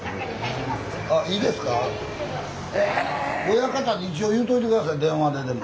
親方に一応言うといて下さい電話ででも。